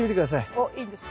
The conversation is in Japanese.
あっいいですか。